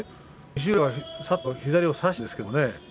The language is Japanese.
石浦はさっと左を差したんですけれどもね。